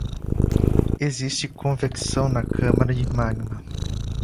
Existe convecção na câmara de magma.